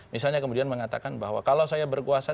misalnya kemudian mengatakan bahwa kalau saya berkuasa